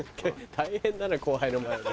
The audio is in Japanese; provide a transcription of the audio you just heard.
大変だな後輩の前で。